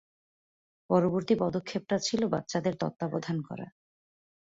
পরবর্তী পদক্ষেপটা ছিল বাচ্চাদের তত্ত্বাবধান করা।